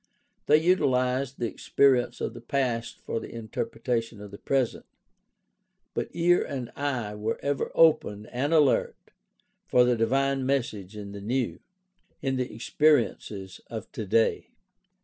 They utiHzed the experience of the past for the interpretation of the present; but ear and eye were ever open and alert for the divine message in the new, in the experiences of today.